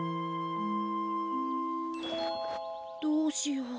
どうしよう